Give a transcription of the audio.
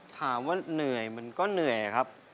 ถามว่าเหนื่อยมันก็เหนื่อยครับ